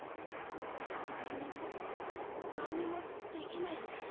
なんにもなんにもできないんだ。